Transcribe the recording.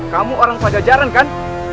kamu orang pajajaran kan